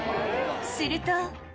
すると。